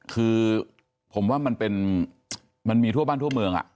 คือผมว่ามันมีทั่วบ้านทั่วเมือง